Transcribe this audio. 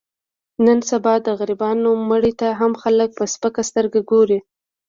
نن سبا د غریبانو مړي ته هم خلک په سپکه سترګه ګوري.